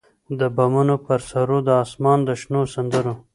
د بامونو پر سرونو د اسمان د شنو سندرو،